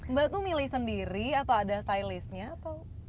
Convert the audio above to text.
mbak tuh milih sendiri atau ada stylistnya atau